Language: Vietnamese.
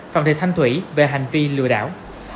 phạm thị thanh thủy về hành vi lừa đảo